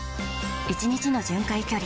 １日の巡回距離